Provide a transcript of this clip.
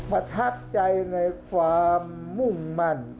ภาคอีสานแห้งแรง